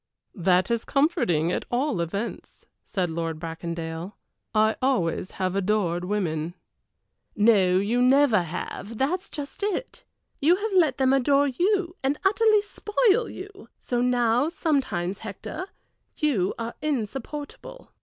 "That is comforting, at all events," said Lord Bracondale. "I always have adored women." "No, you never have, that is just it. You have let them adore you, and utterly spoil you; so now sometimes, Hector, you are insupportable."